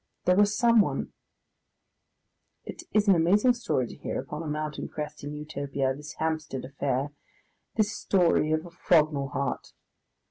There was someone " It is an amazing story to hear upon a mountain crest in Utopia, this Hampstead affair, this story of a Frognal heart.